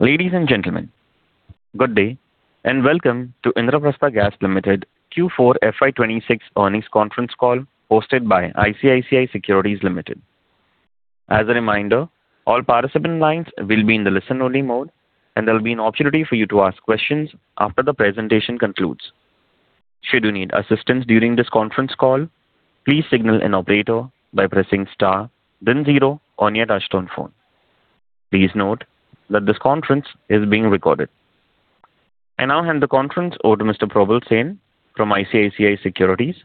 Ladies and gentlemen, good day and welcome to Indraprastha Gas Limited Q4 FY 2026 earnings conference call hosted by ICICI Securities Limited. As a reminder, all participant lines will be in the listen-only mode, and there'll be an opportunity for you to ask questions after the presentation concludes. Should you need assistance during this conference call, please signal an operator by pressing star then 0 on your touchtone phone. Please note that this conference is being recorded. I now hand the conference over to Mr. Probal Sen from ICICI Securities.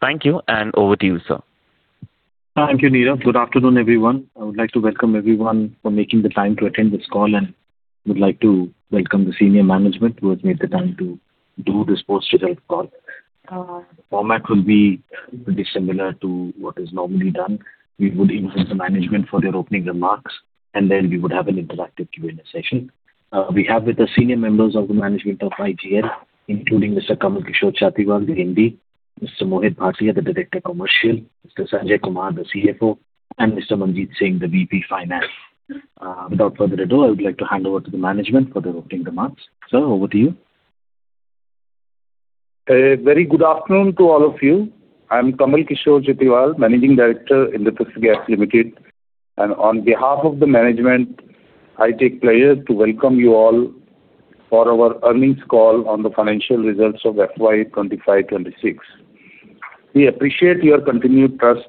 Thank you, and over to you, sir. Thank you, Neeraj. Good afternoon, everyone. I would like to welcome everyone for making the time to attend this call, and would like to welcome the senior management who has made the time to do this post results call. The format will be pretty similar to what is normally done. We would invite the management for their opening remarks, and then we would have an interactive Q&A session. We have with the senior members of the management of IGL, including Mr. Kamal Kishore Chatiwal, the MD, Mr. Mohit Bhatia, the Director Commercial, Mr. Sanjay Kumar, the CFO, and Mr. Manjeet Singh, the VP Finance. Without further ado, I would like to hand over to the management for their opening remarks. Sir, over to you. A very good afternoon to all of you. I'm Kamal Kishore Chatiwal, Managing Director, Indraprastha Gas Limited. On behalf of the management, I take pleasure to welcome you all for our earnings call on the financial results of FY 2025, 2026. We appreciate your continued trust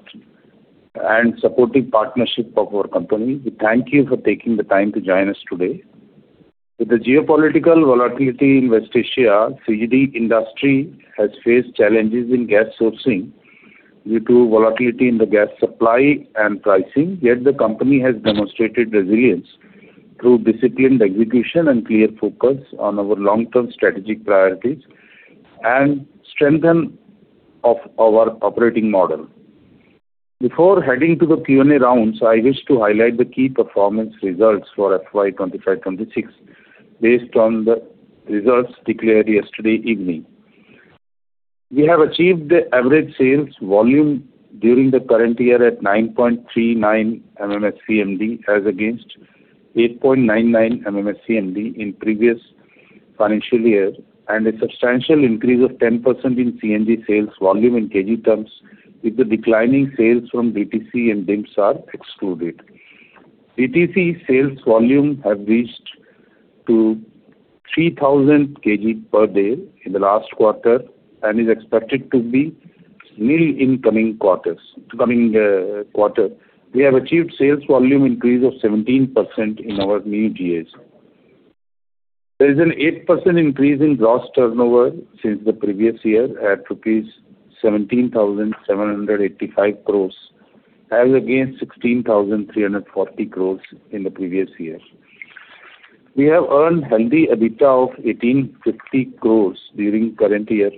and supportive partnership of our company. We thank you for taking the time to join us today. With the geopolitical volatility in West Asia, CGD industry has faced challenges in gas sourcing due to volatility in the gas supply and pricing. The company has demonstrated resilience through disciplined execution and clear focus on our long-term strategic priorities and strengthen of our operating model. Before heading to the Q&A rounds, I wish to highlight the key performance results for FY 2025, 2026 based on the results declared yesterday evening. We have achieved the average sales volume during the current year at 9.39 MMSCMD as against 8.99 MMSCMD in previous financial year and a substantial increase of 10% in CNG sales volume in kg terms with the declining sales from DTC and DIMTS excluded. DTC sales volume have reached to 3,000 kg per day in the last quarter and is expected to be nil incoming quarter. We have achieved sales volume increase of 17% in our new GAs. There is an 8% increase in gross turnover since the previous year at rupees 17,785 crores as against 16,340 crores in the previous year. We have earned healthy EBITDA of 1,850 crores during current year,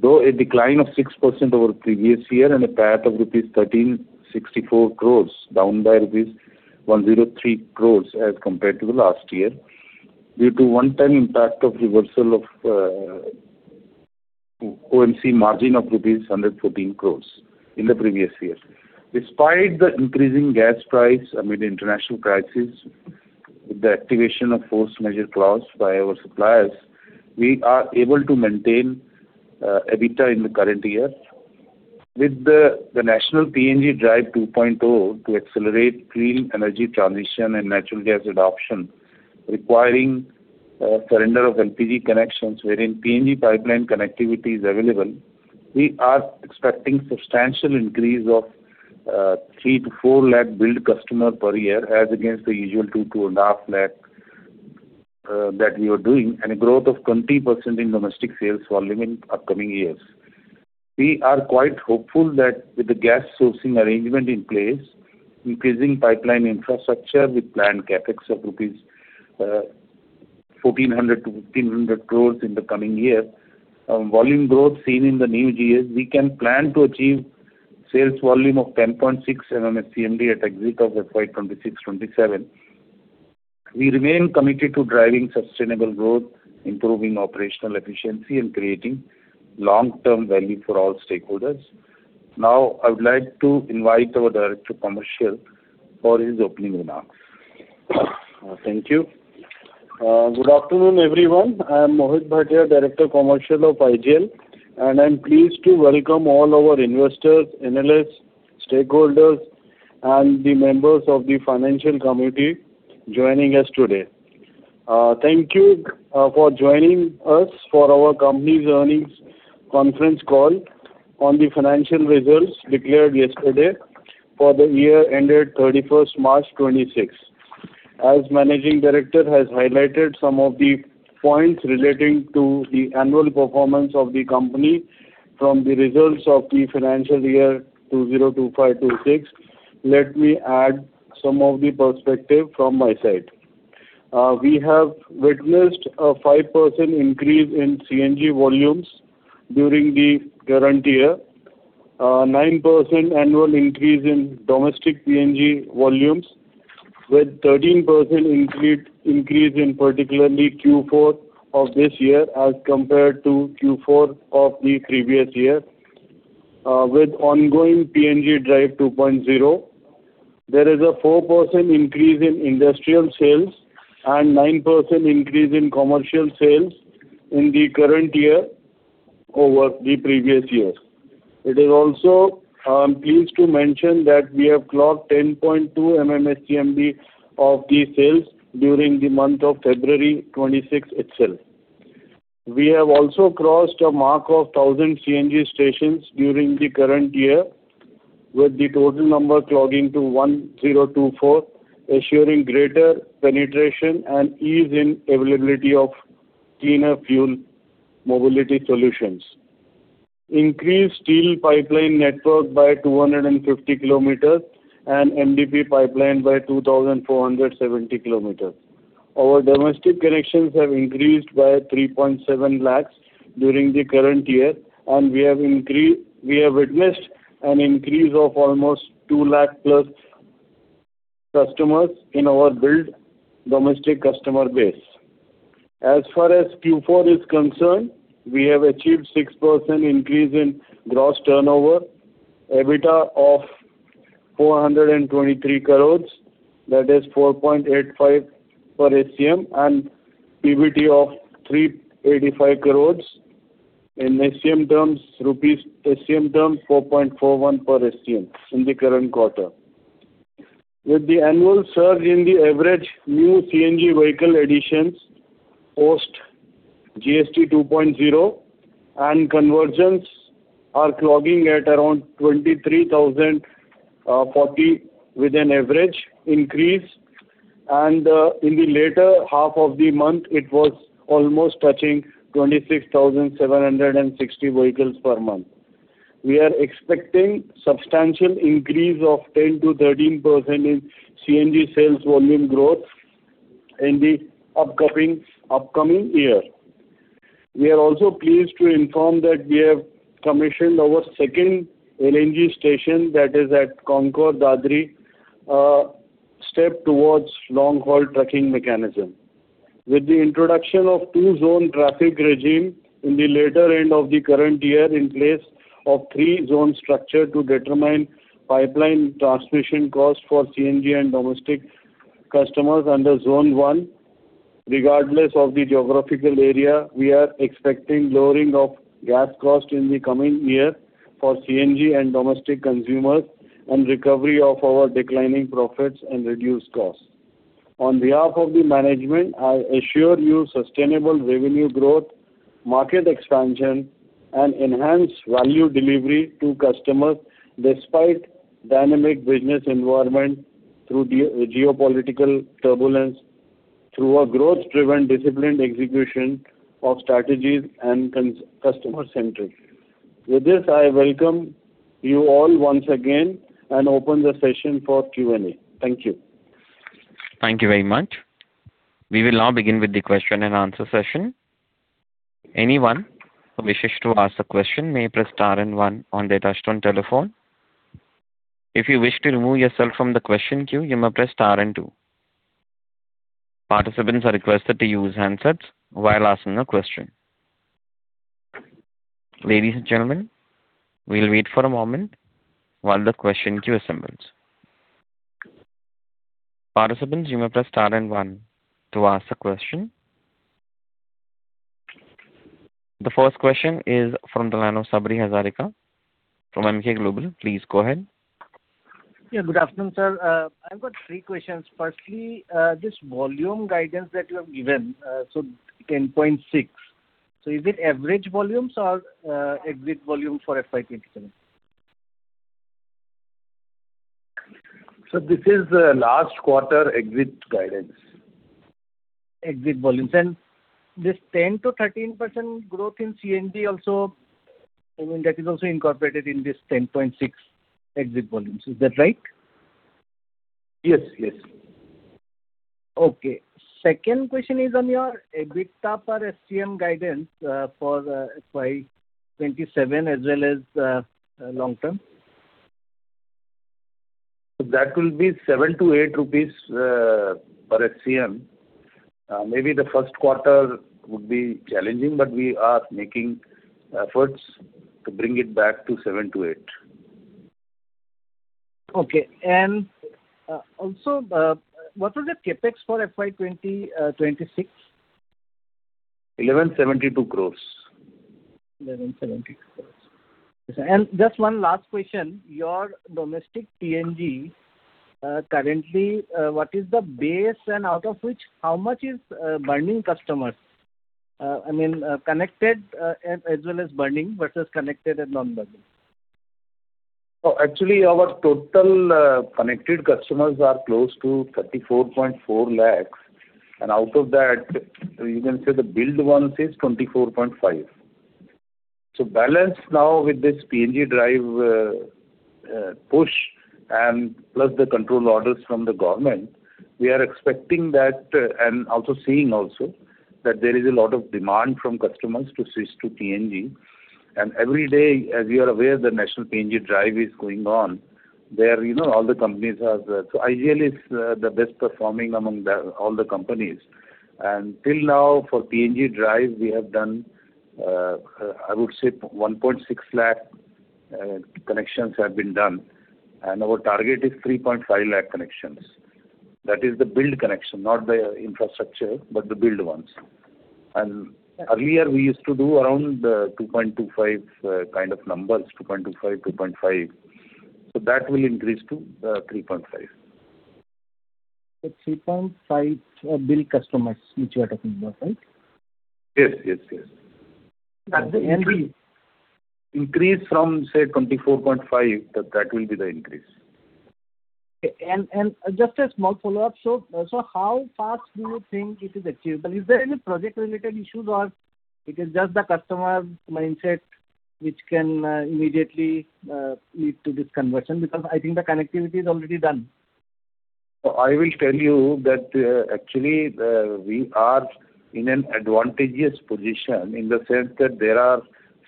though a decline of 6% over previous year and a PAT of rupees 1,364 crores, down by rupees 103 crores as compared to the last year due to one-time impact of reversal of OMC margin of rupees 114 crores in the previous year. Despite the increasing gas price amid international crisis, with the activation of force majeure clause by our suppliers, we are able to maintain EBITDA in the current year. With the national PNG Drive 2.0 to accelerate clean energy transition and natural gas adoption requiring surrender of LPG connections wherein PNG pipeline connectivity is available, we are expecting substantial increase of 3-4 lakh billed customer per year as against the usual 2-2.5 lakh that we are doing and a growth of 20% in domestic sales volume in upcoming years. We are quite hopeful that with the gas sourcing arrangement in place, increasing pipeline infrastructure with planned CapEx of rupees 1,400-1,500 crores in the coming year, volume growth seen in the new GAs, we can plan to achieve sales volume of 10.6 MMSCMD at exit of FY 2026-2027. We remain committed to driving sustainable growth, improving operational efficiency, and creating long-term value for all stakeholders. I would like to invite our Director (Commercial) for his opening remarks. Thank you. Good afternoon, everyone. I am Mohit Bhatia, Director (Commercial) of IGL, and I am pleased to welcome all our investors, analysts, stakeholders, and the members of the financial community joining us today. Thank you for joining us for our company's earnings conference call on the financial results declared yesterday for the year ended 31st March 2026. As Managing Director has highlighted some of the points relating to the annual performance of the company from the results of the financial year 2025-2026, let me add some of the perspective from my side. We have witnessed a 5% increase in CNG volumes during the current year, 9% annual increase in domestic PNG volumes with 13% increase in particularly Q4 of this year as compared to Q4 of the previous year. With ongoing PNG Drive 2.0, there is a 4% increase in industrial sales and 9% increase in commercial sales in the current year over the previous year. It is also, I'm pleased to mention that we have clocked 10.2 MMSCMD of the sales during the month of February 2026 itself. We have also crossed a mark of 1,000 CNG stations during the current year, with the total number clocking to 1,024, assuring greater penetration and ease in availability of cleaner fuel mobility solutions. Increased steel pipeline network by 250 km and MDPE pipeline by 2,470 km. Our domestic connections have increased by 3.7 lakh during the current year, and we have witnessed an increase of almost 2 lakh+ customers in our billed domestic customer base. As far as Q4 is concerned, we have achieved 6% increase in gross turnover, EBITDA of 423 crore, that is 4.85 per SCM, and PBT of 385 crore in SCM terms 4.41 per SCM in the current quarter. With the annual surge in the average new CNG vehicle additions, post GST 2.0 and convergence are clocking at around 23,000,040 with an average increase and in the later half of the month, it was almost touching 26,760 vehicles per month. We are expecting substantial increase of 10%-13% in CNG sales volume growth in the upcoming year. We are also pleased to inform that we have commissioned our second LNG station that is at CONCOR, Dadri, a step towards long-haul trucking mechanism. With the introduction of two-zone traffic regime in the latter end of the current year in place of three-zone structure to determine pipeline transmission costs for CNG and domestic customers under zone one, regardless of the geographical area, we are expecting lowering of gas costs in the coming year for CNG and domestic consumers and recovery of our declining profits and reduced costs. On behalf of the management, I assure you sustainable revenue growth, market expansion, and enhanced value delivery to customers despite dynamic business environment through geopolitical turbulence through a growth driven disciplined execution of strategies and customer centric. With this, I welcome you all once again and open the session for Q&A. Thank you. Thank you very much. We will now begin with the question and answer session. Anyone who wishes to ask a question may press star one on their touchtone telephone. If you wish to remove yourself from the question queue, you may press star two. Participants are requested to use handsets while asking a question. Ladies and gentlemen, we will wait for a moment while the question queue assembles. Participants, you may press star one to ask a question. The first question is from the line of Sabri Hazarika from Emkay Global. Please go ahead. Good afternoon, sir. I've got three questions. Firstly, this volume guidance that you have given, so 10.6. Is it average volumes or exit volume for FY 2027? Sir, this is the last quarter exit guidance. Exit volumes. This 10%-13% growth in CNG also, I mean, that is also incorporated in this 10.6 exit volumes. Is that right? Yes. Yes. Okay. Second question is on your EBITDA per SCM guidance for FY 2027 as well as long term. That will be 7-8 rupees per SCM. Maybe the first quarter would be challenging, but we are making efforts to bring it back to 7-8. Okay. Also, what was the CapEx for FY 2026? 1,172 crores. 1,172 crores. Just one last question. Your domestic PNG, currently, what is the base and out of which how much is burning customers? I mean, connected as well as burning versus connected and non-burning. Actually our total connected customers are close to 34.4 lakhs, and out of that you can say the billed ones is 24.5. Balance now with this PNG Drive push and plus the control orders from the government, we are expecting that and also seeing also that there is a lot of demand from customers to switch to PNG. Every day, as you are aware, the national PNG Drive is going on. There, you know, IGL is the best performing among all the companies. Till now for PNG Drive, we have done, I would say 1.6 lakh connections have been done, and our target is 3.5 lakh connections. That is the billed connection, not the infrastructure, but the billed ones. Earlier, we used to do around 2.25 kind of numbers, 2.25, 2.5. That will increase to 3.5. 3.5 billion customers which you are talking about, right? Yes. Yes. Yes. That the increase. Increase from, say, 24.5, that will be the increase. Okay. Just a small follow-up. How fast do you think it is achievable? Is there any project related issues, or it is just the customer mindset which can immediately lead to this conversion? Because I think the connectivity is already done. I will tell you that, actually, we are in an advantageous position in the sense that there are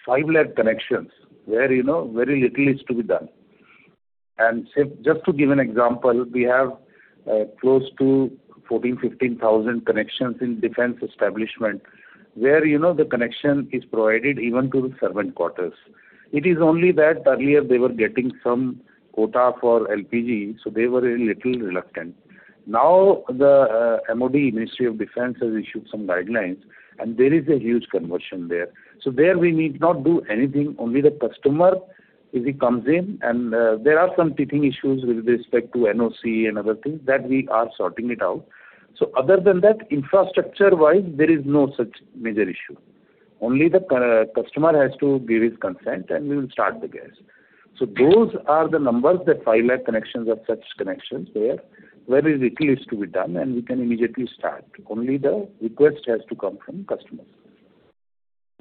5 lakh connections where, you know, very little is to be done. Just to give an example, we have close to 14,000-15,000 connections in defense establishment, where, you know, the connection is provided even to the servant quarters. It is only that earlier they were getting some quota for LPG, so they were a little reluctant. The MoD, Ministry of Defence, has issued some guidelines, and there is a huge conversion there. There we need not do anything, only the customer, if he comes in. There are some teething issues with respect to NOC and other things, that we are sorting it out. Other than that, infrastructure-wise, there is no such major issue. Only the customer has to give his consent, and we will start the gas. Those are the numbers, the 5 lakh connections are such connections where very little is to be done, and we can immediately start. Only the request has to come from customers.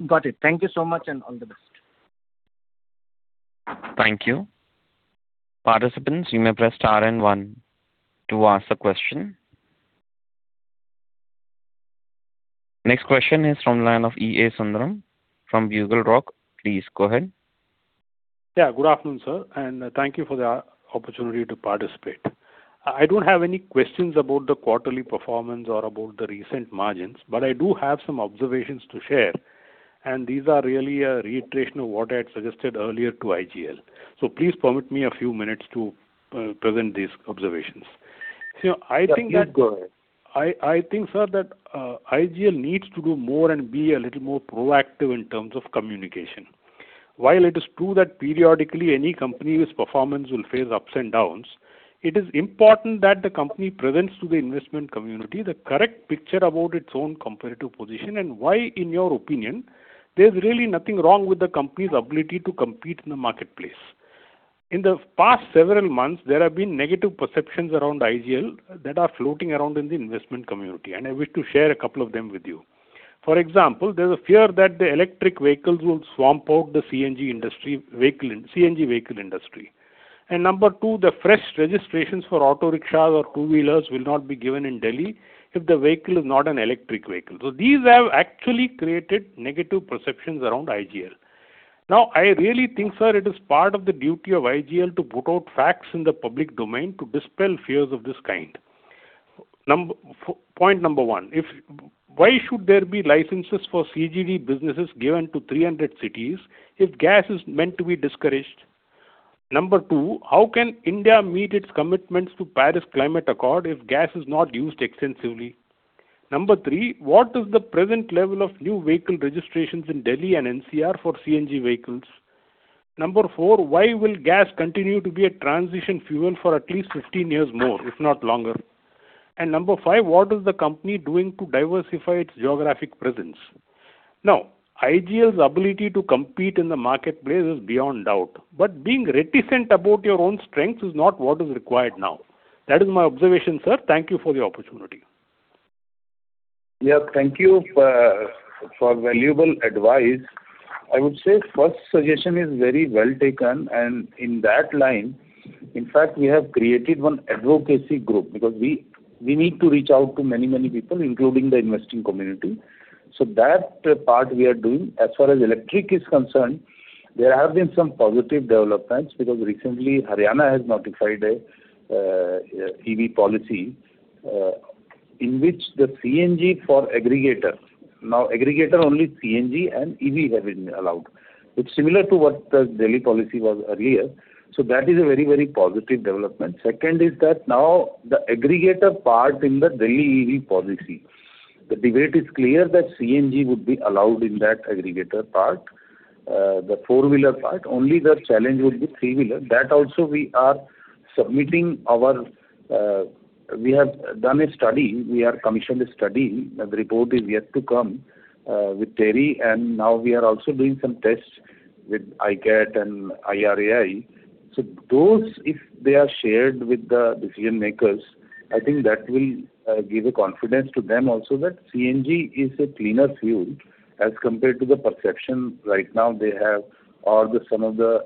Got it. Thank you so much, and all the best. Thank you. Participants, you may press star and one to ask a question. Next question is from line of E.A. Sundaram from BugleRock. Please go ahead. Good afternoon, sir, and thank you for the opportunity to participate. I don't have any questions about the quarterly performance or about the recent margins, but I do have some observations to share, and these are really a reiteration of what I had suggested earlier to IGL. Please permit me a few minutes to present these observations. Yeah. Please go ahead. I think, sir, that IGL needs to do more and be a little more proactive in terms of communication. While it is true that periodically any company's performance will face ups and downs, it is important that the company presents to the investment community the correct picture about its own comparative position and why, in your opinion, there's really nothing wrong with the company's ability to compete in the marketplace. In the past several months, there have been negative perceptions around IGL that are floating around in the investment community, and I wish to share a couple of them with you. For example, there's a fear that the electric vehicles will swamp out the CNG vehicle industry. Number two, the fresh registrations for auto rickshaws or two-wheelers will not be given in Delhi if the vehicle is not an electric vehicle. These have actually created negative perceptions around IGL. I really think, sir, it is part of the duty of IGL to put out facts in the public domain to dispel fears of this kind. Point number one, why should there be licenses for CGD businesses given to 300 cities if gas is meant to be discouraged? Number two, how can India meet its commitments to Paris Agreement if gas is not used extensively? Number three, what is the present level of new vehicle registrations in Delhi and NCR for CNG vehicles? Number four, why will gas continue to be a transition fuel for at least 15 years more, if not longer? Number five, what is the company doing to diversify its geographic presence? IGL's ability to compete in the marketplace is beyond doubt. Being reticent about your own strengths is not what is required now. That is my observation, sir. Thank you for the opportunity. Yeah. Thank you for valuable advice. I would say first suggestion is very well taken, and in that line, in fact, we have created one advocacy group, because we need to reach out to many, many people, including the investing community. That part we are doing. As far as electric is concerned, there have been some positive developments because recently Haryana has notified an EV policy, in which the CNG for aggregator. Now aggregator only CNG and EV have been allowed. It's similar to what the Delhi policy was earlier. That is a very positive development. Second is that now the aggregator part in the Delhi EV policy. The debate is clear that CNG would be allowed in that aggregator part, the four-wheeler part. Only the challenge would be three-wheeler. That also we are submitting. We have done a study. We have commissioned a study. The report is yet to come, with TERI, and now we are also doing some tests with ICAT and ARAI. Those, if they are shared with the decision makers, I think that will give a confidence to them also that CNG is a cleaner fuel as compared to the perception right now they have or the some of the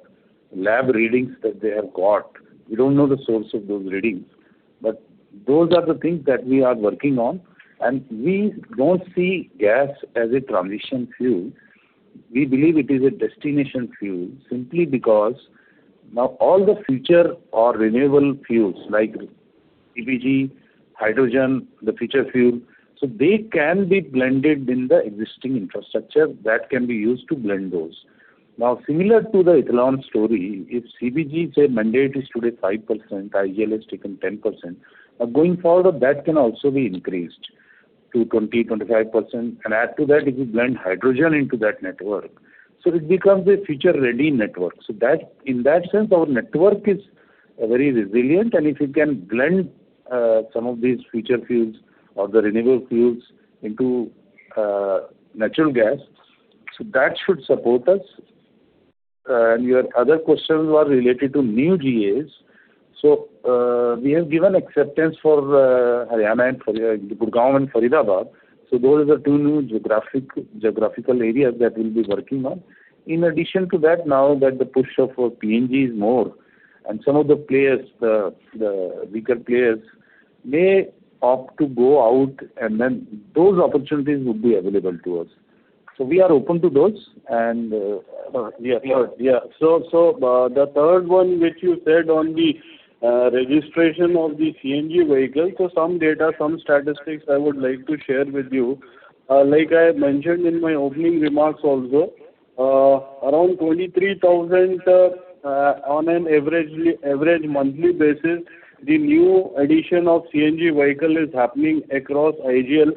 lab readings that they have got. We don't know the source of those readings. Those are the things that we are working on, and we don't see gas as a transition fuel. We believe it is a destination fuel simply because now all the future or renewable fuels like CBG, hydrogen, the future fuel, so they can be blended in the existing infrastructure that can be used to blend those. Similar to the ethanol story, if CBG, say, mandate is today 5%, IGL has taken 10%, going forward that can also be increased to 20%, 25%. Add to that if you blend hydrogen into that network, it becomes a future-ready network. In that sense, our network is very resilient, and if you can blend some of these future fuels or the renewable fuels into natural gas, that should support us. Your other questions were related to new GAs. We have given acceptance for Haryana and Gurgaon and Faridabad, those are two new geographical areas that we'll be working on. In addition to that, now that the push of PNG is more and some of the players, the weaker players may opt to go out, and then those opportunities would be available to us. We are open to those. Yeah. The third one which you said on the registration of the CNG vehicles. Some data, some statistics I would like to share with you. Like I mentioned in my opening remarks also, around 23,000 on an average monthly basis, the new addition of CNG vehicle is happening across IGL,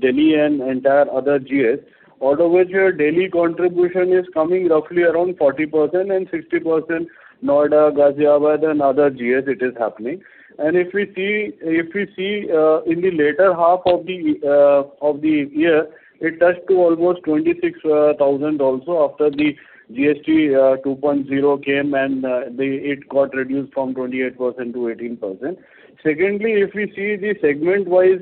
Delhi, and entire other GAs. Out of which your Delhi contribution is coming roughly around 40% and 60% Noida, Ghaziabad, and other GAs it is happening. If we see in the latter half of the year, it touched to almost 26,000 also after the GST 2.0 came and it got reduced from 28%-18%. Secondly, if we see the segment-wise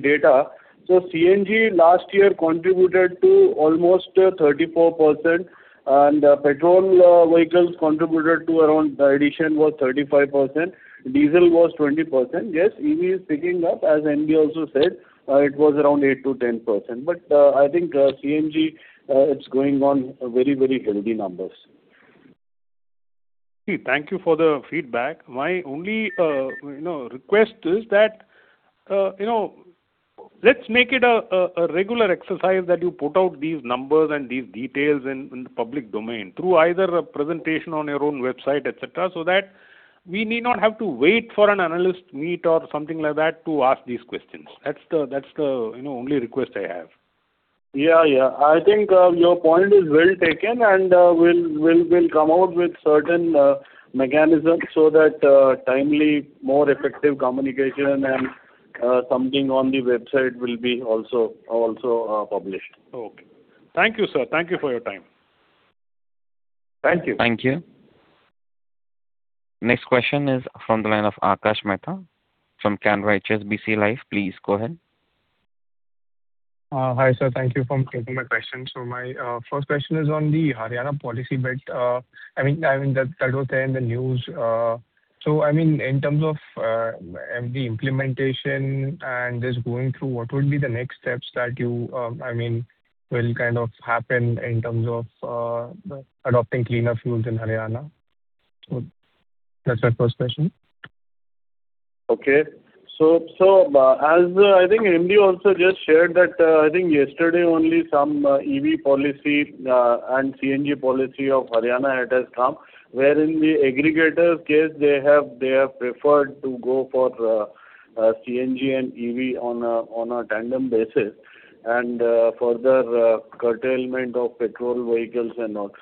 data. CNG last year contributed to almost 34%, and petrol vehicles contributed to the addition was 35%. Diesel was 20%. Yes, EV is picking up. As MD also said, it was around 8%-10%. I think CNG, it's going on very, very healthy numbers. Thank you for the feedback. My only, you know, request is that, you know, let's make it a regular exercise that you put out these numbers and these details in the public domain through either a presentation on your own website, et cetera, so that we need not have to wait for an analyst meet or something like that to ask these questions. That's the, you know, only request I have. Yeah, yeah. I think, your point is well taken, and we'll come out with certain mechanisms so that timely, more effective communication and something on the website will be also published. Okay. Thank you, sir. Thank you for your time. Thank you. Thank you. Next question is from the line of Akash Mehta from Canara HSBC Life. Please go ahead. Hi, sir. Thank you for taking my question. My first question is on the Haryana policy bit. I mean that was there in the news. I mean, in terms of MD implementation and just going through, what would be the next steps that you, I mean, will kind of happen in terms of the adopting cleaner fuels in Haryana? That's my first question. Okay. As I think MD also just shared that, I think yesterday only some EV policy and CNG policy of Haryana it has come. Where in the aggregator's case they have preferred to go for CNG and EV on a tandem basis, and further curtailment of petrol vehicles and all.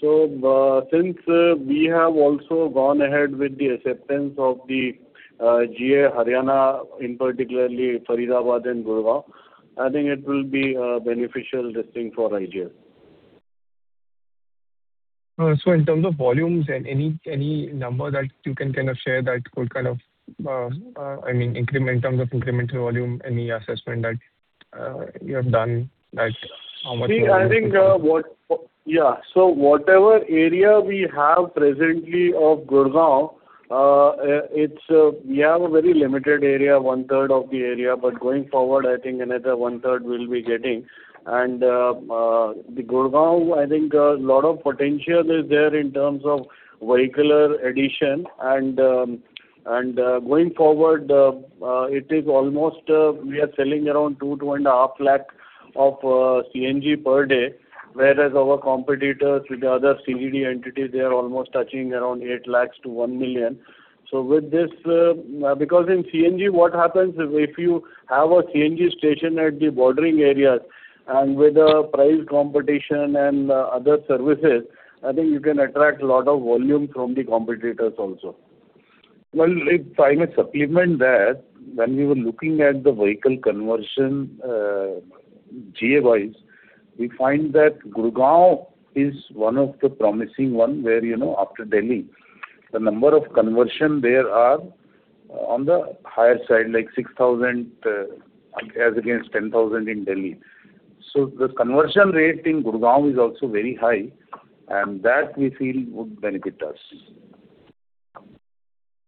Since we have also gone ahead with the acceptance of the GA Haryana, in particularly Faridabad and Gurgaon, I think it will be beneficial, this thing for IGL. In terms of volumes, any number that you can kind of share that could kind of, I mean, increment terms of incremental volume, any assessment that you have done that how much volume you can? I think, whatever area we have presently of Gurgaon, it's, we have a very limited area, 1/3 of the area. Going forward, I think another 1/3 we'll be getting. The Gurgaon, I think a lot of potential is there in terms of vehicular addition. Going forward, it is almost, we are selling around 2.5 lakh of CNG per day, whereas our competitors with the other CGD entities, they are almost touching around 8 lakh to 1 million. With this, because in CNG what happens if you have a CNG station at the bordering areas and with the price competition and other services, I think you can attract a lot of volume from the competitors also. If I may supplement that. When we were looking at the vehicle conversion, GA-wise, we find that Gurgaon is one of the promising one where, you know, after Delhi, the number of conversion there are on the higher side, like 6,000, as against 10,000 in Delhi. The conversion rate in Gurgaon is also very high, and that we feel would benefit us.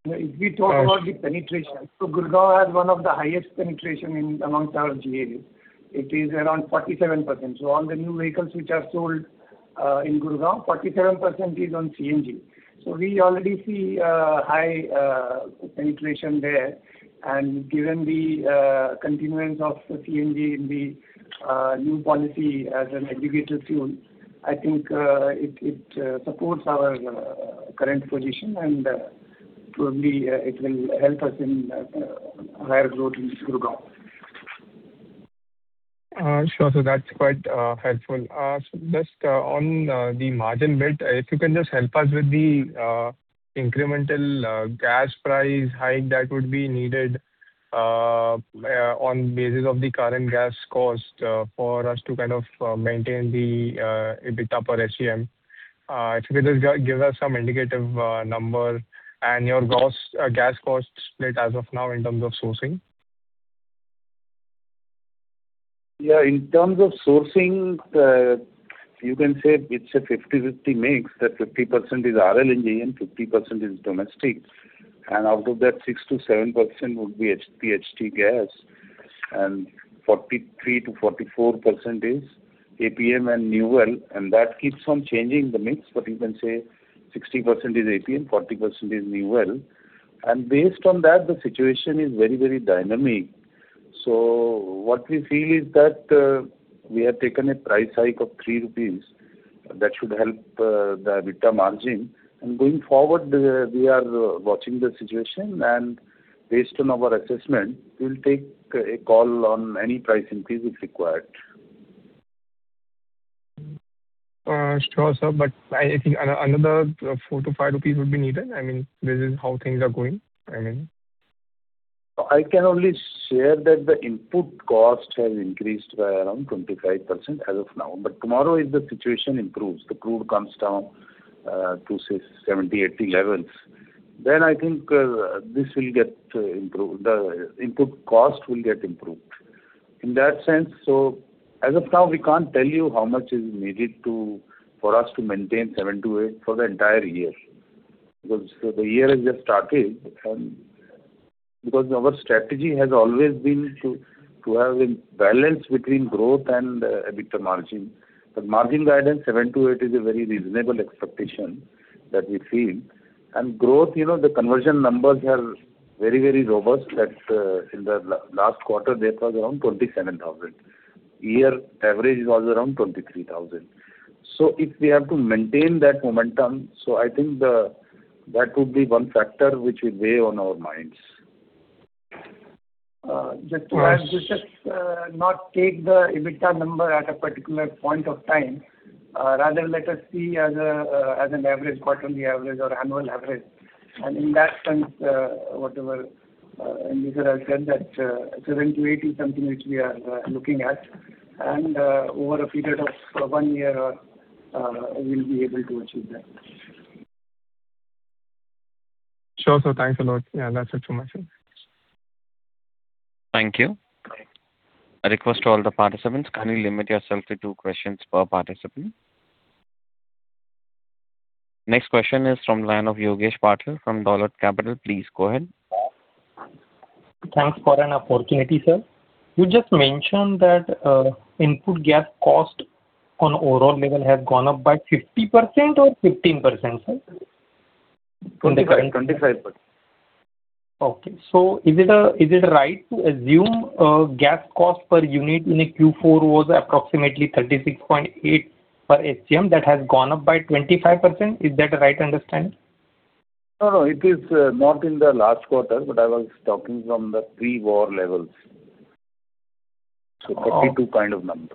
If we talk about the penetration, Gurgaon has one of the highest penetration in amongst our GAs. It is around 47%. All the new vehicles which are sold in Gurgaon, 47% is on CNG. We already see high penetration there. Given the continuance of the CNG in the new policy as an aggregator fuel, I think it supports our current position, and probably it will help us in higher growth in Gurgaon. Sure. That's quite helpful. Just on the margin bit, if you can just help us with the incremental gas price hike that would be needed on basis of the current gas cost for us to kind of maintain the EBITDA per SCM. If you could just give us some indicative number and your gas cost split as of now in terms of sourcing. Yeah. In terms of sourcing, you can say it's a 50/50 mix. The 50% is RLNG and 50% is domestic. Out of that, 6%-7% would be HPHT gas, and 43%-44% is APM and new well, and that keeps on changing the mix. You can say 60% is APM, 40% is new well. Based on that, the situation is very, very dynamic. What we feel is that, we have taken a price hike of 3 rupees. That should help the EBITDA margin. Going forward, we are watching the situation, and based on our assessment, we'll take a call on any price increase if required. sure, sir, I think another 4-5 rupees would be needed. I mean, this is how things are going. I can only share that the input cost has increased by around 25% as of now. Tomorrow, if the situation improves, the crude comes down to say 70, 80 levels, then I think this will get improved. The input cost will get improved. In that sense, as of now, we can't tell you how much is needed for us to maintain 7%-8% for the entire year. The year has just started and because our strategy has always been to have a balance between growth and EBITDA margin. Margin guidance 7%-8% is a very reasonable expectation that we feel. Growth, you know, the conversion numbers are very, very robust at in the last quarter, that was around 27,000. Year average was around 23,000. If we have to maintain that momentum, I think that would be one factor which will weigh on our minds. Just to add, just not take the EBITDA number at a particular point of time. Rather, let us see as an average, quarterly average or annual average. In that sense, whatever Kamal has said, that 7%-8% is something which we are looking at. Over a period of one year, we'll be able to achieve that. Sure, sir. Thanks a lot. Yeah, that's it from my side. Thank you. A request to all the participants, kindly limit yourself to two questions per participant. Next question is from line of Yogesh Patil from Dolat Capital. Please go ahead. Thanks for an opportunity, sir. You just mentioned that input gas cost on overall level has gone up by 50% or 15%, sir? 25%. Okay. Is it, is it right to assume, gas cost per unit in a Q4 was approximately 36.8 per SCM that has gone up by 25%? Is that the right understanding? No, no, it is not in the last quarter, but I was talking from the pre-war levels. 32 kind of number.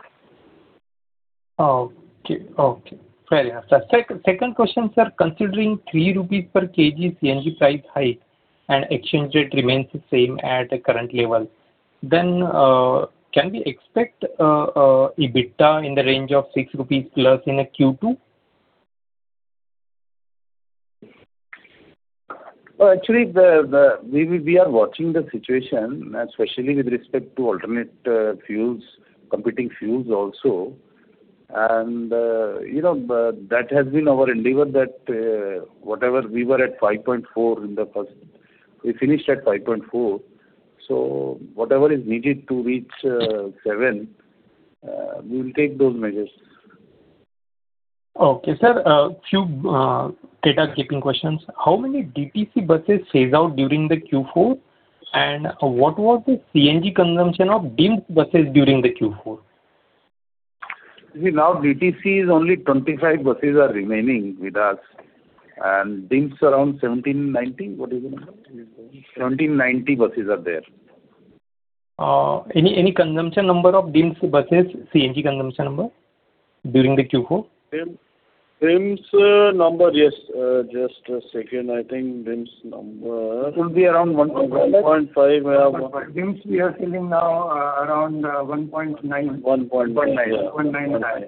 Okay. Okay. Fair enough, sir. Second question, sir. Considering 3 rupees per kg CNG price hike and exchange rate remains the same at the current level, can we expect EBITDA in the range of 6+ rupees in a Q2? Well, actually we are watching the situation, especially with respect to alternate fuels, competing fuels also. You know, that has been our endeavor that whatever we were at 5.4 in the first, we finished at 5.4. Whatever is needed to reach 7, we will take those measures. Okay, sir. Few data keeping questions. How many DTC buses phase out during the Q4? What was the CNG consumption of DIMTS buses during the Q4? You see now DTC is only 25 buses are remaining with us, and DIMTS around 17, 19. What is the number? 17, 19 buses are there. Any consumption number of DIMTS buses, CNG consumption number during the Q4? DIMTs. DIMTS number, yes. Just a second. Could be around one point. 1.5, yeah. 1.5. DIMTS we are selling now, around 1.9. 1.9. INR 19.19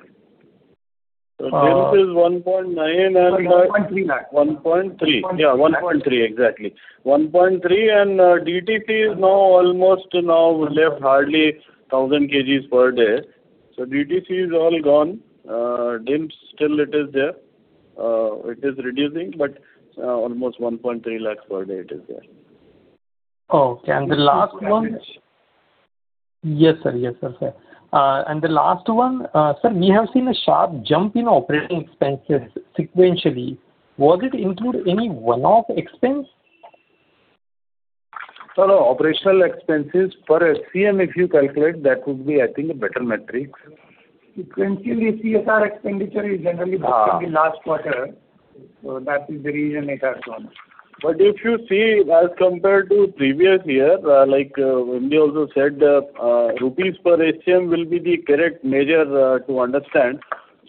lakh. DIMTS is 1.9. Sorry, 1.3 lakh. 1.3. INR 1.3 lakh. Yeah, 1.3, exactly. 1.3 and DTC is now almost left hardly 1,000 kgs per day. DTC is all gone. DIMTS still it is there. It is reducing, but, almost 1.3 lakhs per day it is there. Oh, okay. Yes, sir. Yes, sir. The last one, sir, we have seen a sharp jump in operating expenses sequentially. Was it include any one-off expense? Sir, no, operational expenses per SCM, if you calculate, that would be I think a better metric. Sequentially, CSR expenditure. booked in the last quarter. That is the reason it has gone up. If you see as compared to previous year, like MD also said, rupees per SCM will be the correct measure to understand.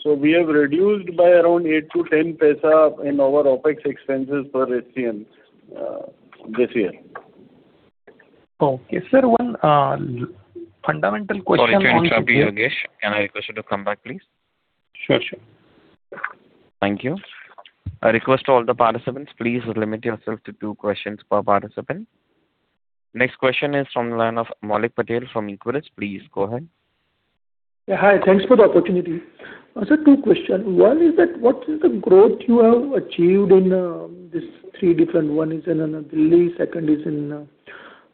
We have reduced by around 0.08-0.10 in our OpEx expenses per SCM this year. Okay. Sir, one fundamental question. Sorry to interrupt you, Yogesh. Can I request you to come back, please? Sure, sure. Thank you. A request to all the participants, please limit yourself to two questions per participant. Next question is from the line of Maulik Patel from Equirus. Please go ahead. Yeah, hi. Thanks for the opportunity. Sir, two questions. One is that, what is the growth you have achieved in this three different? One is in Delhi, second is in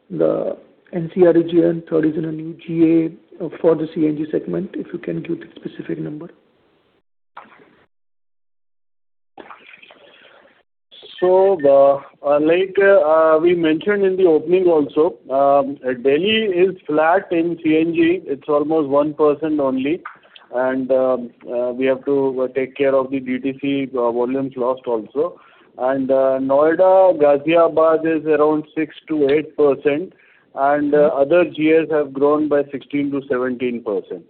the NCR region, third is in a new GA for the CNG segment, if you can give the specific number. The like, we mentioned in the opening also, Delhi is flat in CNG. It's almost 1% only. We have to take care of the DTC volumes lost also. Noida, Ghaziabad is around 6%-8%, and other GAs have grown by 16%-17%.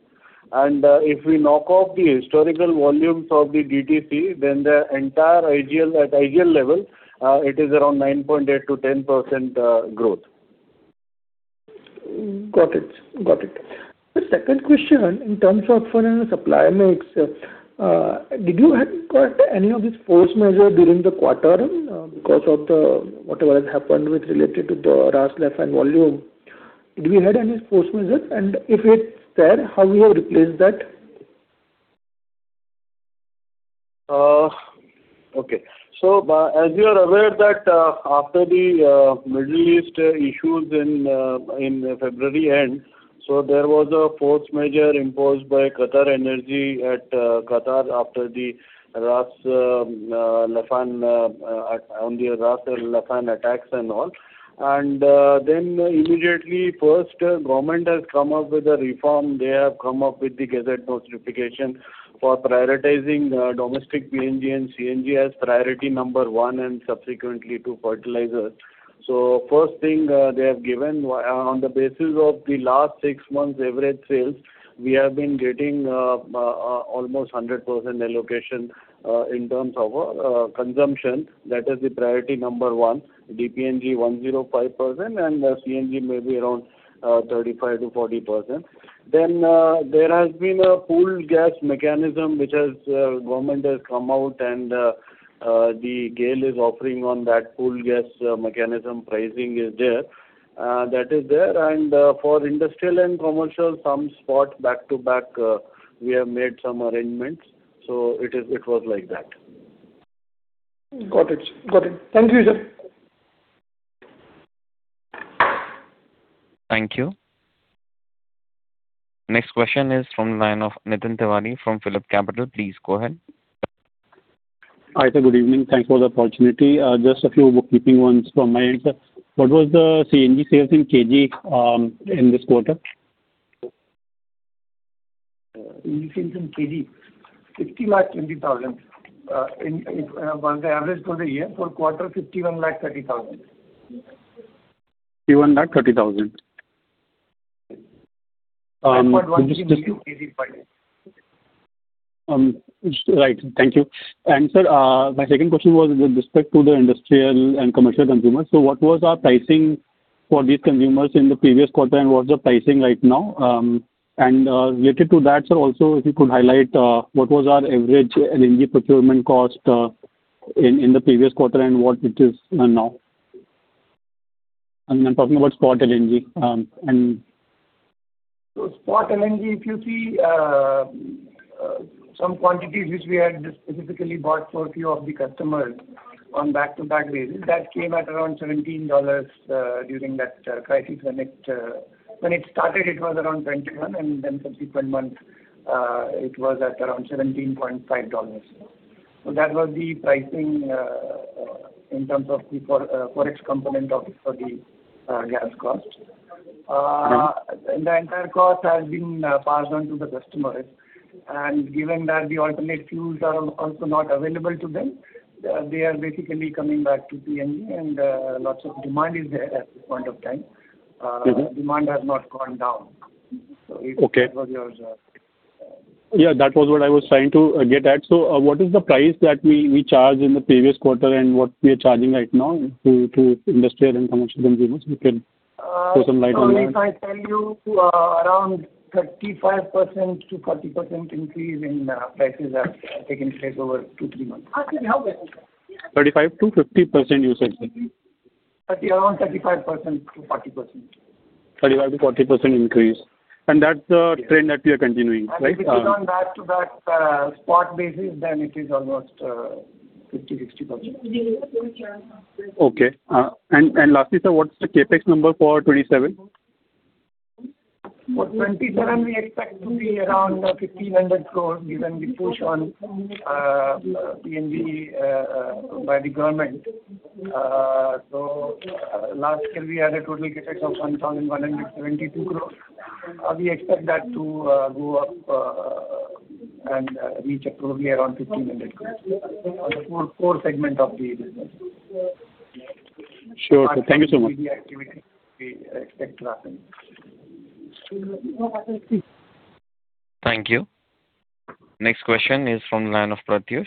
If we knock off the historical volumes of the DTC, then the entire IGL, at IGL level, it is around 9.8%-10% growth. Got it. The second question, in terms of supplier mix, did you had got any of this force majeure during the quarter because of whatever has happened related to the Ras Laffan volume? Did we had any force majeure? If it's there, how we have replaced that? Okay. As you are aware that, after the Middle East issues in February end, there was a force majeure imposed by QatarEnergy at Qatar after the Ras Laffan attacks and all. Then immediately first government has come up with a reform. They have come up with the gazette notification for prioritizing domestic PNG and CNG as priority number one and subsequently to fertilizer. First thing, they have given on the basis of the last six months' average sales, we have been getting almost 100% allocation in terms of consumption. That is the priority number one. The PNG 105% and CNG maybe around 35%-40%. There has been a pooled gas mechanism which has, government has come out and, the GAIL is offering on that pooled gas, mechanism pricing is there. That is there. For industrial and commercial, some spot back-to-back, we have made some arrangements. It was like that. Got it. Got it. Thank you, sir. Thank you. Next question is from the line of Nitin Tiwari from PhillipCapital. Please go ahead. Hi, sir. Good evening. Thanks for the opportunity. Just a few bookkeeping ones from my end, sir. What was the CNG sales in kg in this quarter? CNG sales in kg, 50 lakh 20,000, in, if, by the average for the year. For quarter, 51 lakh 30,000. 51 lakh 30,000. Um, can you just- kg per day. Right. Thank you. Sir, my second question was with respect to the industrial and commercial consumers. What was our pricing for these consumers in the previous quarter, and what's the pricing right now? Related to that, sir, also if you could highlight what was our average LNG procurement cost in the previous quarter, and what it is now? I'm talking about spot LNG. Spot LNG, if you see, some quantities which we had specifically bought for a few of the customers on back-to-back basis, that came at around $17 during that crisis when it started, it was around $21, and then subsequent months, it was at around $17.5. That was the pricing in terms of the fore forex component of, for the gas cost. Right. The entire cost has been passed on to the customers. Given that the alternate fuels are also not available to them, they are basically coming back to PNG and lots of demand is there at this point of time. Demand has not gone down. Okay. That was your, uh- Yeah, that was what I was trying to get at. What is the price that we charged in the previous quarter and what we are charging right now to industrial and commercial consumers? If you can throw some light on that. Maulik, I tell you, around 35%-40% increase in prices have taken place over two, three months. How can you have that, sir? 35%-50% you said, sir 30%, around 35%-40%. 35%-40% increase. That's the trend that we are continuing, right? If it is on back-to-back spot basis, then it is almost 50%, 60%. Okay. Lastly, sir, what's the CapEx number for 27? For 27 we expect to be around 1,500 crores, given the push on PNG by the government. Last year we had a total CapEx of INR 1,172 crores. We expect that to go up and reach probably around INR 1,500 crores for core segment of the business. Sure. Thank you so much. Activity we expect to happen. Thank you. Next question is from the line of Pratyush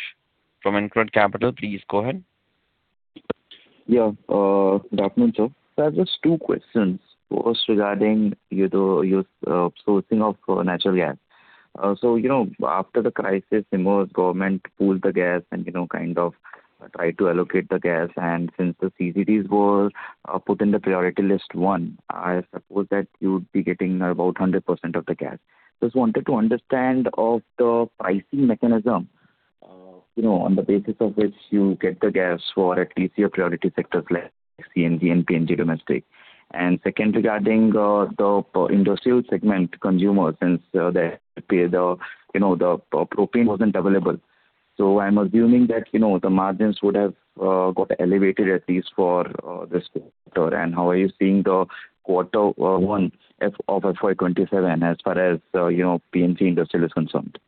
from InCred Capital. Please go ahead. Good afternoon, sir. Sir, just two questions. First, regarding, you know, your sourcing of natural gas. So, you know, after the crisis, you know, government pooled the gas and, you know, kind of tried to allocate the gas. Since the CGDs were put in the priority list one, I suppose that you would be getting about 100% of the gas. Just wanted to understand of the pricing mechanism, you know, on the basis of which you get the gas for at least your priority sectors like CNG and PNG domestic. Second, regarding the industrial segment consumers, since they pay the, you know, the propane wasn't available. I'm assuming that, you know, the margins would have got elevated at least for this quarter. How are you seeing the Q1 of FY 2027 as far as, you know, PNG industrial is concerned?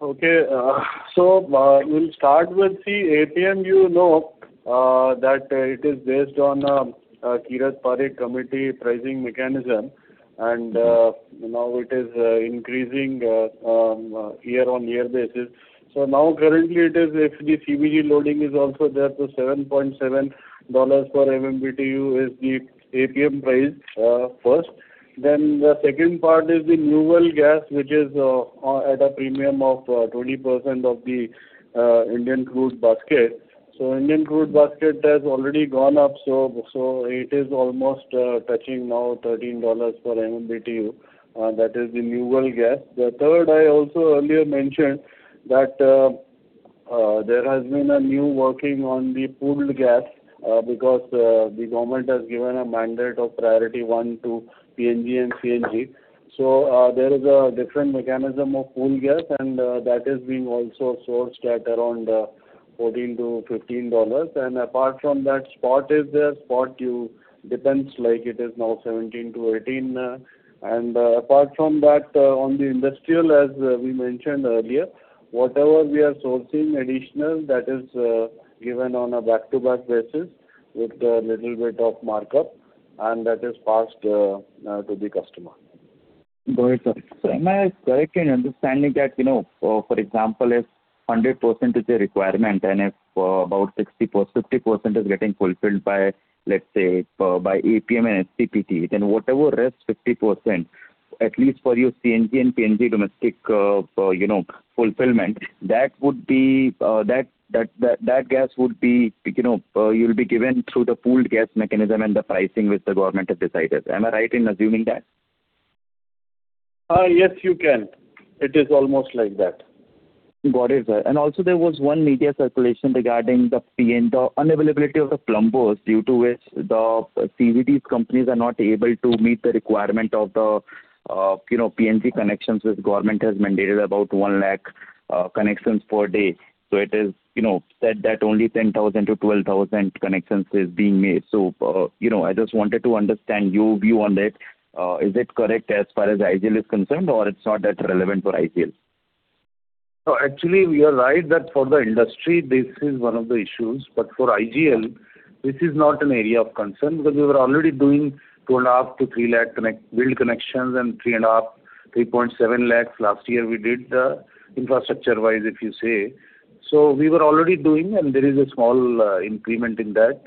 Okay. We'll start with the APM. You know, that it is based on Kirit Parikh committee pricing mechanism. Now it is increasing year-on-year basis. Now currently it is if the CBG loading is also there, $7.7 per MMBtu is the APM price, first. The second part is the new well gas, which is on at a premium of 20% of the Indian crude basket. Indian crude basket has already gone up, so it is almost touching now $13 per MMBtu, that is the new well gas. The third, I also earlier mentioned that there has been a new working on the pooled gas, because the government has given a mandate of priority one to PNG and CNG. There is a different mechanism of pooled gas and that is being also sourced at around $14-$15. Apart from that, spot is there. Spot depends, like it is now 17-18. apart from that, on the industrial, as we mentioned earlier, whatever we are sourcing additional, that is given on a back-to-back basis with a little bit of markup, and that is passed to the customer. Got it, sir. Am I correct in understanding that, you know, for example, if 100% is a requirement and if about 60 per 50% is getting fulfilled by, let's say, by APM and SCPT, then whatever rest 50%, at least for your CNG and PNG domestic, you know, fulfillment, that would be that gas would be, you know, you'll be given through the pooled gas mechanism and the pricing which the government has decided. Am I right in assuming that? Yes, you can. It is almost like that. Got it, sir. There was one media circulation regarding the PNG the unavailability of the plumbers, due to which the CGD companies are not able to meet the requirement of the, you know, PNG connections, which government has mandated about 1 lakh connections per day. It is, you know, said that only 10,000-12,000 connections is being made. You know, I just wanted to understand your view on it. Is it correct as far as IGL is concerned, or it's not that relevant for IGL? Actually you are right that for the industry this is one of the issues. For IGL, this is not an area of concern because we were already doing 2.5 lakh to 3 lakh connect bill connections and 3.5 lakh, 3.7 lakh last year we did infrastructure-wise, if you say. We were already doing, and there is a small increment in that.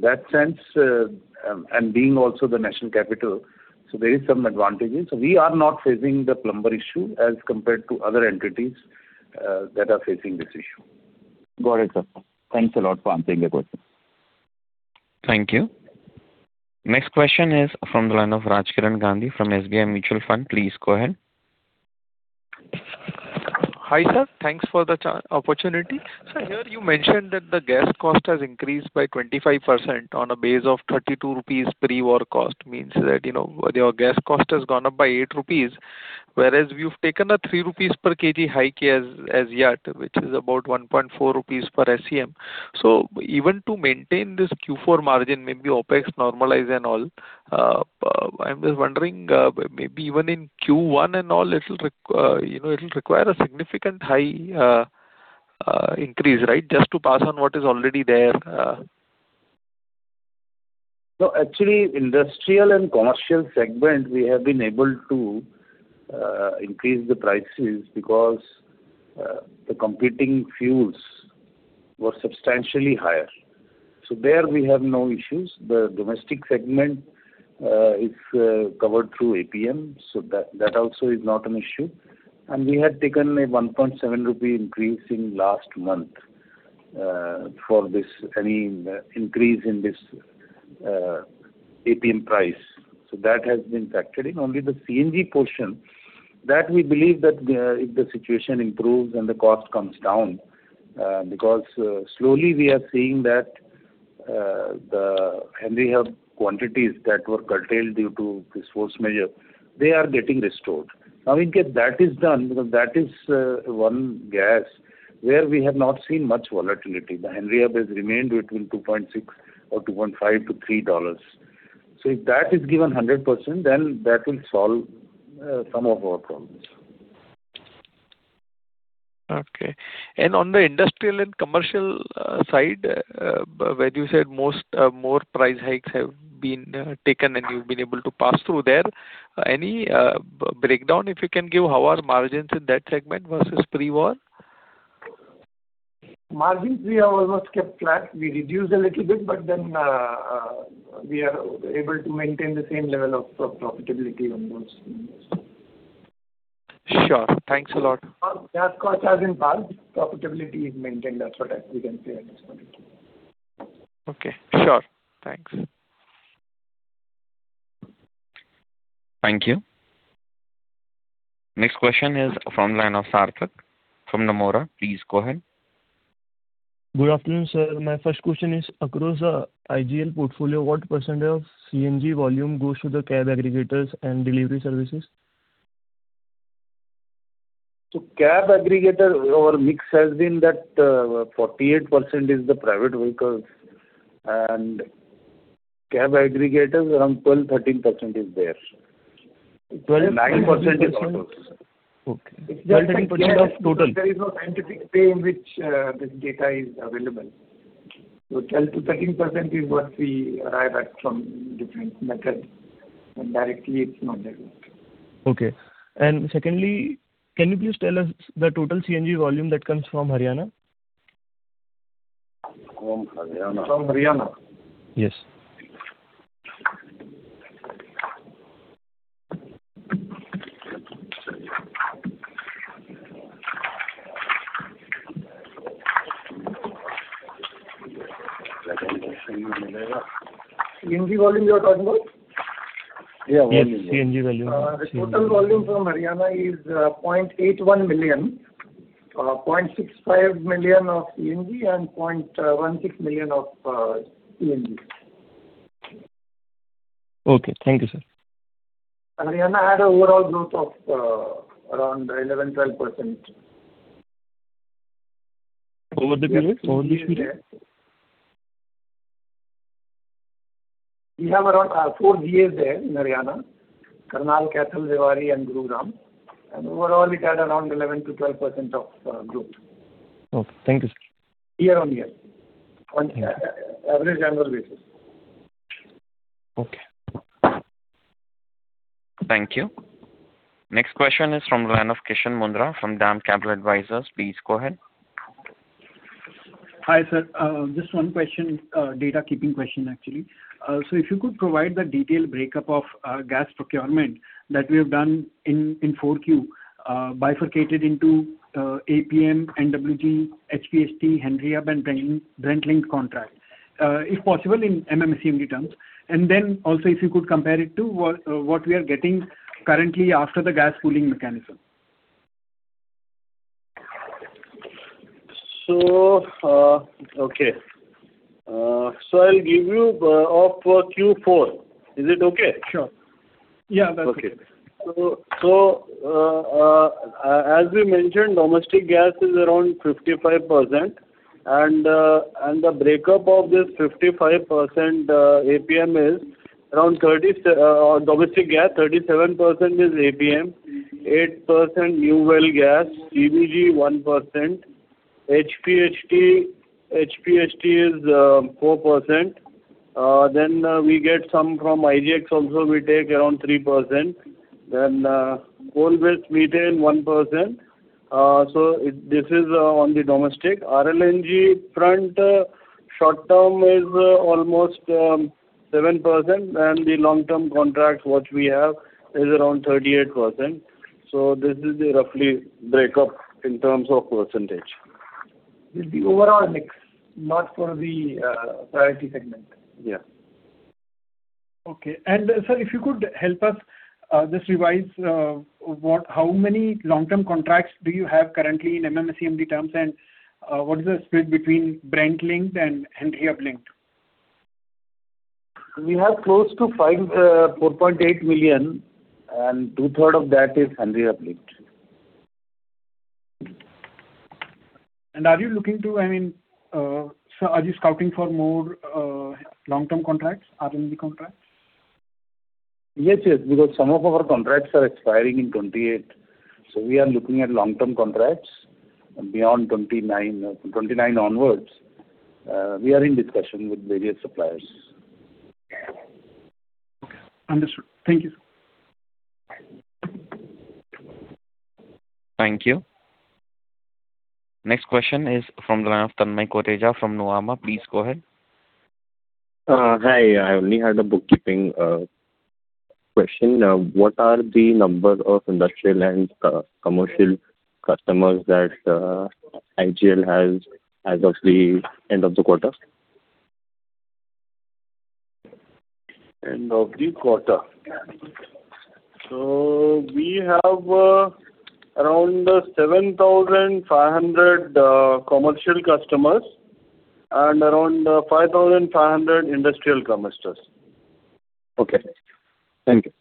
That sense, and being also the national capital, so there is some advantages. We are not facing the plumber issue as compared to other entities that are facing this issue. Got it, sir. Thanks a lot for answering the question. Thank you. Next question is from the line of Raj Gandhi from SBI Mutual Fund. Please go ahead. Hi, sir. Thanks for the opportunity. Here you mentioned that the gas cost has increased by 25% on a base of 32 rupees pre-war cost. Means that, you know, your gas cost has gone up by 8 rupees, whereas you've taken a 3 rupees per kg hike as yet, which is about 1.4 rupees per SCM. Even to maintain this Q4 margin, maybe OPEX normalize and all, I'm just wondering, maybe even in Q1 and all it'll require a significant high increase, right? Just to pass on what is already there. No, actually industrial and commercial segment, we have been able to increase the prices because the competing fuels were substantially higher. There we have no issues. The domestic segment is covered through APM, that also is not an issue. We had taken a 1.7 rupee increase in last month, for this, I mean, increase in this APM price. That has been factored in. Only the CNG portion, that we believe that if the situation improves then the cost comes down. Because slowly we are seeing that the Henry Hub quantities that were curtailed due to this force majeure, they are getting restored. If that is done, because that is one gas where we have not seen much volatility. The Henry Hub has remained between $2.6 or $2.5-$3. If that is given 100%, then that will solve some of our problems. Okay. On the industrial and commercial side, where you said most, more price hikes have been taken and you've been able to pass through there, any breakdown if you can give, how are margins in that segment versus pre-war? Margins we have almost kept flat. We reduced a little bit, we are able to maintain the same level of pro-profitability on those units. Sure. Thanks a lot. Gas cost has been passed, profitability is maintained. That's what we can say at this point. Okay. Sure. Thanks. Thank you. Next question is from line of Sarthak from Nomura. Please go ahead. Good afternoon, sir. My first question is across IGL portfolio, what % of CNG volume goes to the cab aggregators and delivery services? Cab aggregator, our mix has been that, 48% is the private vehicles and cab aggregators around 12%, 13% is there. 12%, 13%. 9% is auto. Okay. 12%, 13% of total. There is no scientific way in which this data is available. 12%-13% is what we arrive at from different methods. Directly it's not available. Okay. Secondly, can you please tell us the total CNG volume that comes from Haryana? From Haryana. From Haryana. Yes. CNG volume you are talking about? Yeah, volume. Yes, CNG volume. The total volume from Haryana is 0.81 million, 0.65 million of CNG and 0.16 million of LNG. Okay. Thank you, sir. Haryana had a overall growth of, around 11-12%. Over the period? We have around 4 GAs there in Haryana. Karnal, Kaithal, Rewari, and Gurugram. Overall it had around 11 to 12% growth. Okay. Thank you, sir. Year-on-year. On a average annual basis. Okay. Thank you. Next question is from line of [Kishan Mundra] from DAM Capital Advisors. Please go ahead. Hi, sir. Just one question, data keeping question actually. So if you could provide the detailed breakup of gas procurement that we have done in 4Q, bifurcated into APM, NWG, HPHT, Henry Hub, and Brent linked contracts. If possible in MMSCMD terms. Then also if you could compare it to what we are getting currently after the gas pooling mechanism. Okay. I'll give you of Q4. Is it okay? Sure. Yeah, that's okay. Okay. As we mentioned, domestic gas is around 55%. The breakup of this 55%, APM is around 37% domestic gas, 8% new well gas, CBG 1%, HPHT is 4%. Then, we get some from IGX also, we take around 3%. Then, coal-bed methane 1%. This is on the domestic. RLNG front, short-term is almost 7%, and the long-term contract what we have is around 38%. This is the roughly breakup in terms of percentage. This is the overall mix, not for the priority segment. Yeah. Okay. Sir, if you could help us just revise how many long-term contracts do you have currently in MMSCMD terms? What is the split between Brent linked and Henry Hub linked? We have 4.8 million, and 2/3 of that is Henry Hub linked. Are you looking to, I mean, are you scouting for more, long-term contracts, RLNG contracts? Yes, because some of our contracts are expiring in 2028, so we are looking at long-term contracts beyond 2029. 2029 onwards, we are in discussion with various suppliers. Okay. Understood. Thank you. Thank you. Next question is from the line of Tanay Kotecha from Nuvama, please go ahead. Hi. I only had a bookkeeping question. What are the number of industrial and commercial customers that IGL has as of the end of the quarter? End of the quarter. We have around 7,500 commercial customers and around 5,500 industrial customers. Okay. Thank you.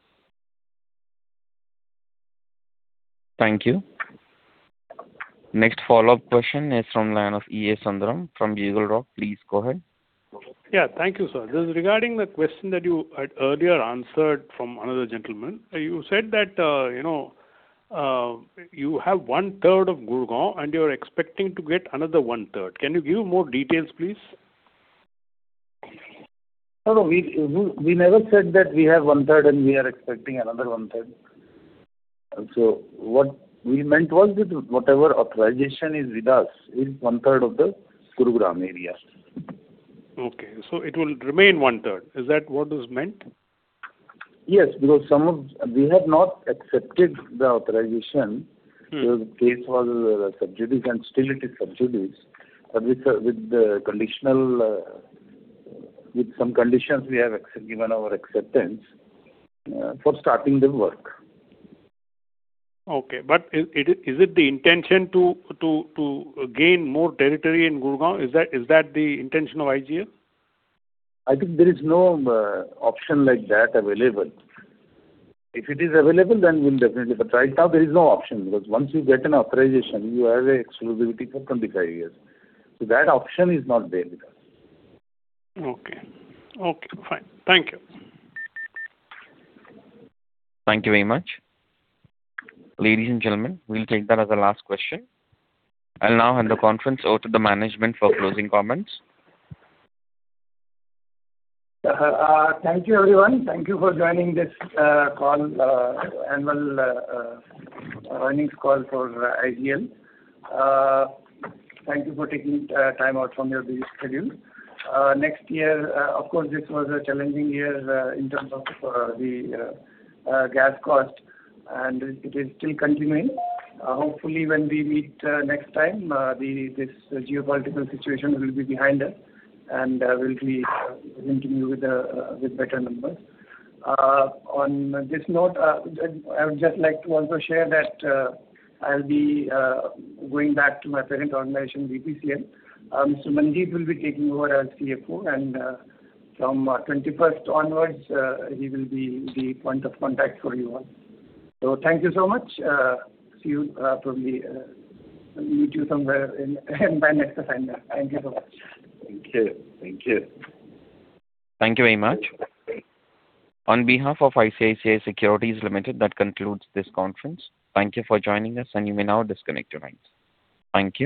Thank you. Next follow-up question is from line of E.A. Sundaram from BugleRock. Please go ahead. Yeah. Thank you, sir. Just regarding the question that you had earlier answered from another gentleman. You said that, you know, you have 1/3 of Gurgaon, and you're expecting to get another 1/3. Can you give more details, please? No, we never said that we have 1/3 and we are expecting another 1/3. What we meant was that whatever authorization is with us is 1/3 of the Gurugram area. Okay. It will remain 1/3. Is that what was meant? Yes, because We have not accepted the authorization. because the case was sub judice and still it is sub judice. With the conditional, with some conditions, we have given our acceptance for starting the work. Okay. Is it the intention to gain more territory in Gurugram? Is that the intention of IGL? I think there is no option like that available. If it is available, we'll definitely. Right now there is no option because once you get an authorization, you have a exclusivity for 25 years. That option is not there with us. Okay. Okay, fine. Thank you. Thank you very much. Ladies and gentlemen, we will take that as our last question. I will now hand the conference over to the management for closing comments. Thank you, everyone. Thank you for joining this call, annual earnings call for IGL. Thank you for taking time out from your busy schedule. Of course, this was a challenging year in terms of the gas cost, and it is still continuing. Hopefully, when we meet next time, this geopolitical situation will be behind us and we'll be meeting you with better numbers. On this note, I would just like to also share that I'll be going back to my parent organization, BPCL. Mandeep will be taking over as CFO and from 21st onwards, he will be the point of contact for you all. Thank you so much. See you, probably, meet you somewhere in, by next assignment. Thank you so much. Thank you. Thank you. Thank you very much. On behalf of ICICI Securities Limited, that concludes this conference. Thank you for joining us, and you may now disconnect your lines. Thank you.